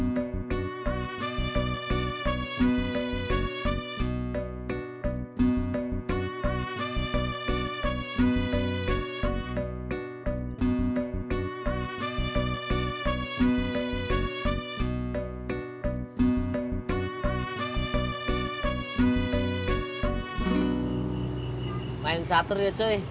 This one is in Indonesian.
main satu ya cuy